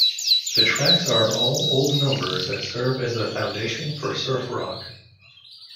The tracks are all old numbers that serve as the foundation for surf rock.